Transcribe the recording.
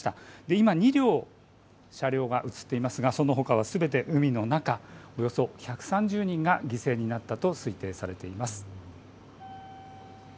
今、２両車両が写っていますがそのほかはすべて海の中、およそ１３０人が犠牲になったと推定されています。